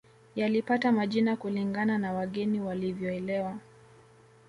Yalipata majina kulingana na wageni walivyoelewa